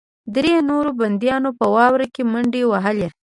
درې نورو بندیانو په واوره کې منډې وهلې